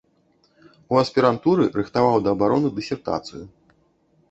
У аспірантуры рыхтаваў да абароны дысертацыю.